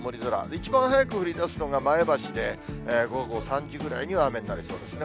一番早く降りだすのが前橋で、午後３時ぐらいには雨になりそうですね。